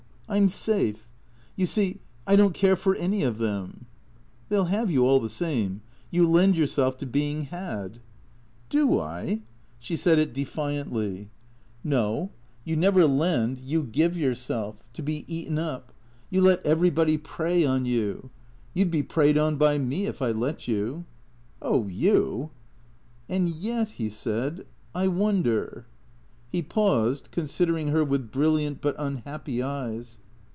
I 'm safe. You see, I don't care for any of them." " They '11 ' have ' you all the same. You lend yourself to being ' had.' "" Do I ?" She said it defiantly. 8 THE CEEATORS " No. You never lend — you give yourself. To be eaten up. You let everybody prey on you. You 'd be preyed on by me, if I let you." " Oh — you "" And yet," he said, " I wonder " He paused, considering her with brilliant but unhappy eyes.